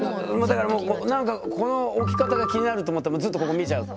だからなんかこの置き方が気になると思ったらずっとここ見ちゃう。